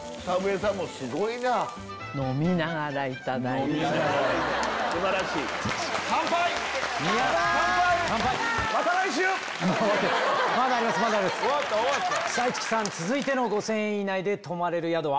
さぁ市來さん続いての５０００円以内で泊まれる宿は？